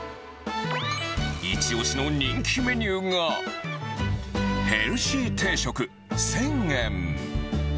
一押しの人気メニューが、ヘルシー定食１０００円。